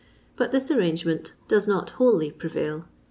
But this arrangement does not wholly prevail.